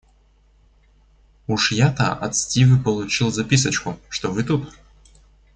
Уж я от Стивы получил записочку, что вы тут.